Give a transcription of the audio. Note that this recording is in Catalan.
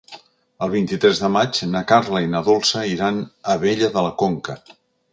El vint-i-tres de maig na Carla i na Dolça iran a Abella de la Conca.